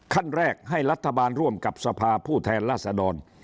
ขั้นแรกให้รัฐบาลร่วมกับสภาผู้แทนราษดร